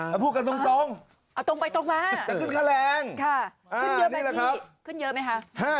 เอาพูดกันตรงจะขึ้นค่าแรงเอาตรงไปตรงมา